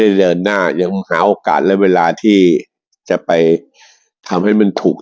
เดินหน้ายังหาโอกาสและเวลาที่จะไปทำให้มันถูก